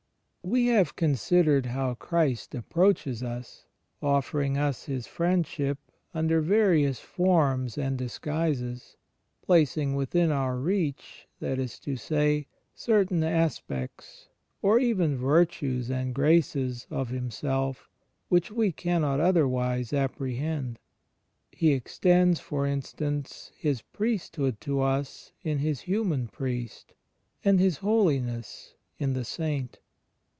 We have considered how Christ approaches us, offer ing us His Friendship, under various forms and dis guises, placing within our reach, that is to say, certain aspects, or even virtues and graces, of Himself which we cannot otherwise apprehend. He extends, for in stance. His Priesthood to us in His human priest, and His Holiness in the saint.